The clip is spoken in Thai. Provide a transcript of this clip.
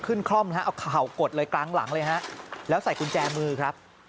คล่อมฮะเอาเข่ากดเลยกลางหลังเลยฮะแล้วใส่กุญแจมือครับ